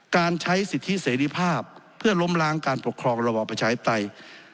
การใช้สิทธิเสรีภาพเพื่อล้มล้างการปกครองระบอบประชาธิปไตย